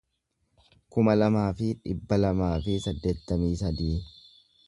kuma lamaa fi dhibba lamaa fi saddeettamii sadii